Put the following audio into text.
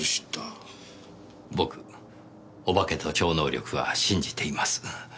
僕お化けと超能力は信じています。